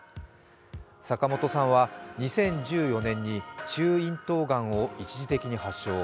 坂本さんは２０１４年に中咽頭がんを一時的に発症。